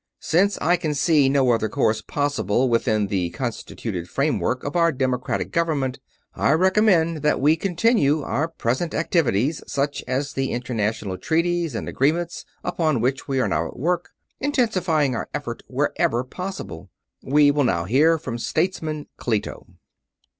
Since I can see no other course possible within the constituted framework of our democratic government, I recommend that we continue our present activities, such as the international treaties and agreements upon which we are now at work, intensifying our effort wherever possible. We will now hear from Statesman Cleto."